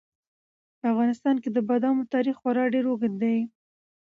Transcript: په افغانستان کې د بادامو تاریخ خورا ډېر اوږد دی.